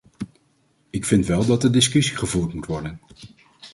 Ik vind wel dat de discussie gevoerd moet worden.